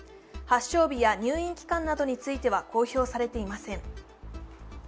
発症日や入院期間などについては公表されていません。